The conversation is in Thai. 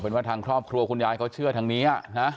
เป็นว่าทางครอบครัวคุณยายเขาเชื่อทางนี้